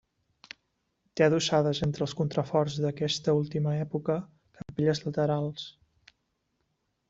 Té adossades entre els contraforts d'aquesta última època, capelles laterals.